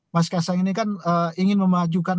mas kaisang ini kan ingin memajukan